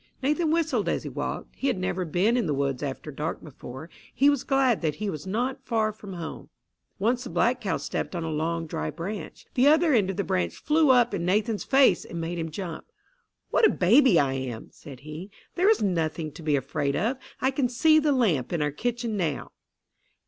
Nathan whistled as he walked. He had never been in the woods after dark before. He was glad that he was not far from home. Once the black cow stepped on a long, dry branch. The other end of the branch flew up in Nathan's face and made him jump. "What a baby I am!" said he. "There is nothing to be afraid of. I can see the lamp in our kitchen now."